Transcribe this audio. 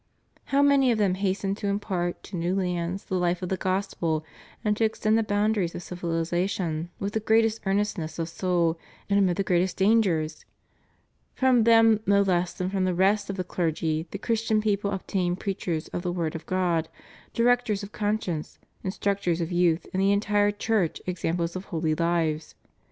How many of them hasten to impart to new lands the hfe of the Gospel and to extend the boundaries of civihzation with the greatest earnestness of soul and amid the greatest dangers 1 From them no less than from the rest of the clergy the Christian people obtain preachers of the Word of God, directors of conscience, instructors of youth, and the entire Church examples of holy hves.